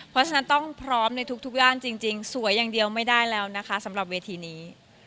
เพราะฉะนั้นต้องพร้อมในทุกย่านจริงสวยอย่างเดียวไม่ได้แล้วนะคะสำหรับเวทีนี้